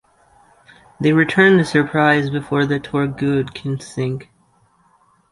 They return to the "Surprise" before the "Torgud" can sink.